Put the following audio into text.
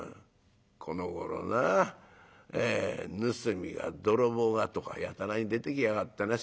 このごろな盗みや泥棒がとかやたらに出てきやがってね